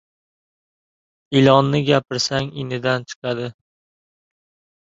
• Ilonni gapirsang inidan chiqadi.